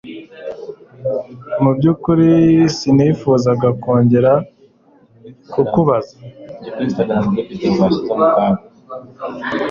Mu byukuri sinifuzaga kongera kukubabaza